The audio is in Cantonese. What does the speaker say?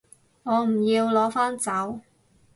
我唔要，攞返走